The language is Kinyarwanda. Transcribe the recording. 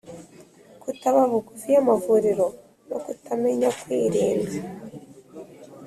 kutaba bugufi y’amavuriro no kutamenya kwirinda,